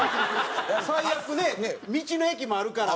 最悪ね道の駅もあるから。